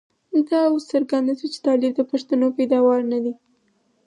دا اوس څرګنده شوه چې طالب د پښتنو پيداوار نه دی.